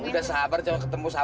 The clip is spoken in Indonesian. udah sabar coba ketemu sahur ah